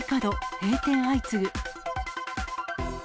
閉店相次ぐ。